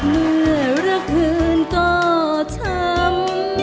เมื่อรักคืนก็ช้ำ